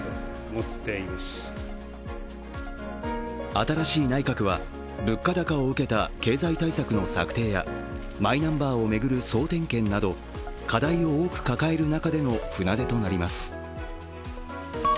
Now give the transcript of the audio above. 新しい内閣は物価高を受けた経済対策の策定やマイナンバーを巡る総点検など課題を多く抱える中での船出となります。